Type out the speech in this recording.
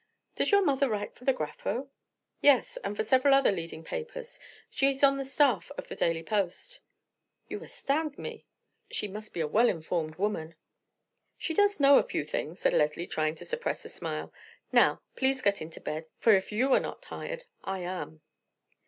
"Does your mother write for the Grapho?" "Yes, and for several other leading papers. She is on the staff of the Daily Post." "You astound me. She must be a well informed woman." "She does know a few things," said Leslie, trying to suppress a smile. "Now, please get into bed; for, if you are not tired, I am."